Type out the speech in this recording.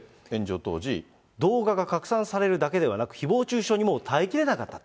動画が拡散されるだけでなく、ひぼう中傷にもう耐えきれなかった。